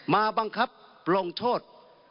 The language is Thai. มาบังคับลงโทษ